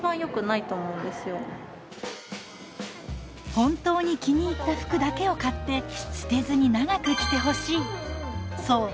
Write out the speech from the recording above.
本当に気に入った服だけを買って捨てずに長く着てほしい。